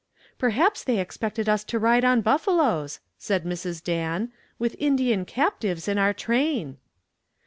"Perhaps they expected us to ride on buffaloes," said Mrs. Dan, "with Indian captives in our train."